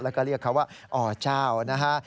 แล้วก็เรียกเขาว่าอเจ้านะฮะ